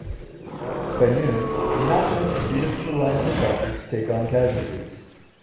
By noon, "Napa" had proceeded from the line of departure to take on casualties.